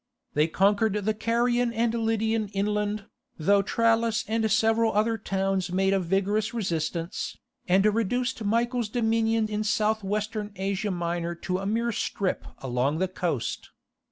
They conquered the Carian and Lydian inland, though Tralles and several other towns made a vigorous resistance, and reduced Michael's dominion in South western Asia Minor to a mere strip along the coast.